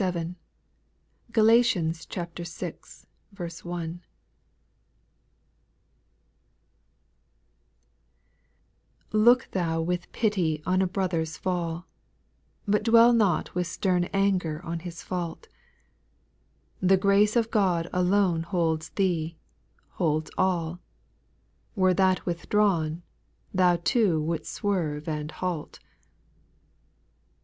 67. Oalatians vi. 1. 1. T OOK thou with pity on a brother's fall, JLi But dwell not with stem anger on his fault ; The grace of God alone holds thee, holds all ; Were that withdrawn, thou too would 'st swerve and halt.